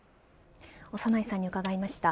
長内さんに伺いました。